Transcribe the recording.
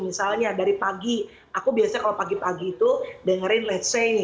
misalnya dari pagi aku biasanya kalau pagi pagi itu dengerin let's say